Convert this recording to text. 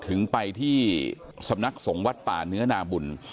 ถึงไปที่สำนักสงฆ์วัดป่าเนื้อนาบุญ